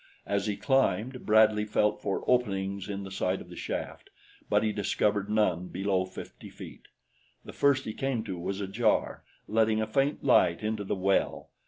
As he climbed, Bradley felt for openings in the sides of the shaft; but he discovered none below fifty feet. The first he came to was ajar, letting a faint light into the well.